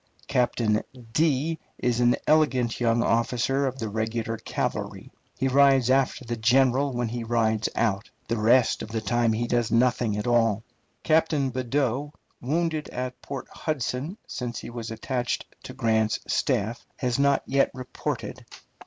Captain is an elegant young officer of the regular cavalry. He rides after the general when he rides out; the rest of the time he does nothing at all. Captain Badeau, wounded at Port Hudson since he was attached to Grant's staff, has not yet reported.